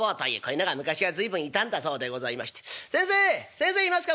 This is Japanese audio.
先生いますか？